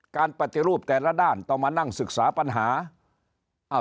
การปฏิรูปแต่ละด้านต้องมานั่งศึกษาปัญหา